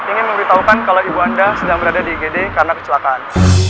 ingin memberitahukan kalau ibu anda sedang berada di igd karena kecelakaan